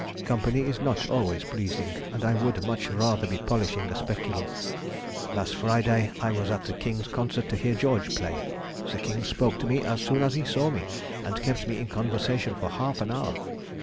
Company is not always pleasing, and I would much rather be polishing a speculum. Last Friday I was at the King's concert to hear George play. The King spoke to me as soon as he saw me, and kept me in conversation for half an hour.